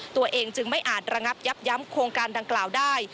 ตัวเองจึงไม่อาจระงับยับยั้งโครงการดังกล่าวได้